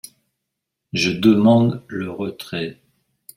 Je demande le retrait.